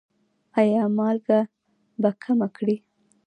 ایا مالګه به کمه کړئ؟